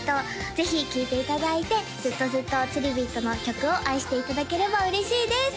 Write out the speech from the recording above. ぜひ聴いていただいてずっとずっとつりビットの曲を愛していただければ嬉しいです！